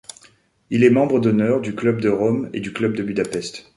Il est membre d'honneur du Club de Rome et du Club de Budapest.